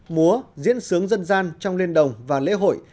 múa diễn sướng dân gian trong liên đồng và lễ hội